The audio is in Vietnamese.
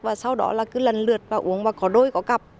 và sau đó là cứ lần lượt vào uống và có đôi có cặp